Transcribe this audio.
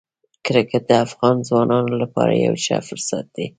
کرکټ د افغان ځوانانو لپاره یو ښه فرصت دی.